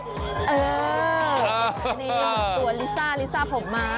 เอออันนี้ตัวลิซ่าผมมา